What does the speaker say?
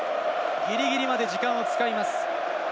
ギリギリまで時間を使えます。